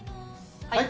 はい！